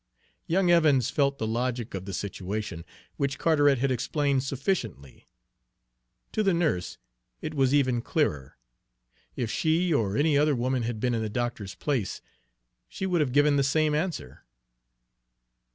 Young Evans felt the logic of the situation, which Carteret had explained sufficiently. To the nurse it was even clearer. If she or any other woman had been in the doctor's place, she would have given the same answer.